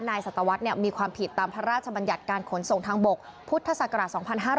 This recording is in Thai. สัตวรรษมีความผิดตามพระราชบัญญัติการขนส่งทางบกพุทธศักราช๒๕๕๙